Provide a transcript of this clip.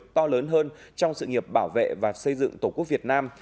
to lớn hơn trong sự nghiệp bảo vệ và xây dựng tổ quốc việt nam